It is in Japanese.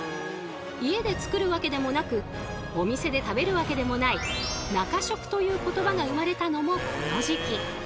家で作るわけでもなくお店で食べるわけでもない「中食」という言葉が生まれたのもこの時期。